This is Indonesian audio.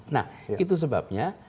nah itu sebabnya